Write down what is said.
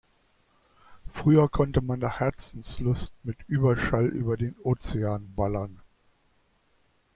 Früher konnte man nach Herzenslust mit Überschall über den Ozean ballern.